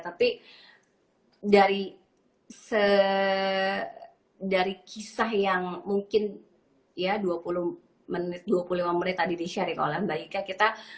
tapi dari kisah yang mungkin ya dua puluh menit dua puluh lima menit tadi di sharing oleh mbak ika